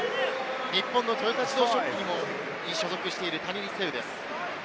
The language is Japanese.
日本の豊田自動織機にも所属しているタレニ・セウです。